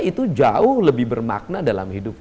itu jauh lebih bermakna dalam hidup